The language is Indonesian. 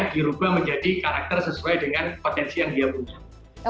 dirubah menjadi karakter sesuai dengan potensi yang dia punya